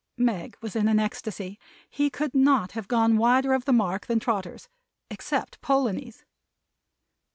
Meg was in ecstasy. He could not have gone wider of the mark than Trotters except Polonies.